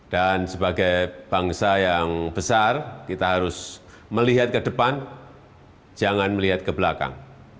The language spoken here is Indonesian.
dan sebagai bangsa yang besar kita harus melihat ke depan jangan melihat ke belakang